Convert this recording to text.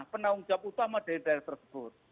penanggung jawab utama dari daerah tersebut